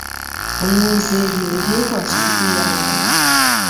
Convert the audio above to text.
Olowooza ebyo ebyekwaso bikuyamba?